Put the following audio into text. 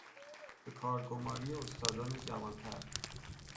به کار گماری استادان جوانتر